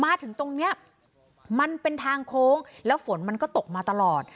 มาถึงตรงเนี้ยมันเป็นทางโค้งแล้วฝนมันก็ตกมาตลอด